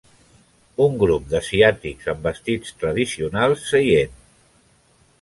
Un grup d'asiàtics amb vestits tradicionals seient.